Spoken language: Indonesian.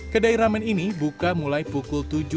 kedai ramen ini buka mulai pukul tujuh sampai sebelas malam